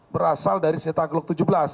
berasal dari secetak glock tujuh belas